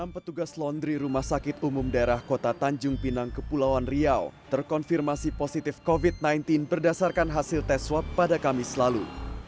enam petugas laundry rumah sakit umum daerah kota tanjung pinang kepulauan riau terkonfirmasi positif covid sembilan belas berdasarkan hasil tes swab pada kamis lalu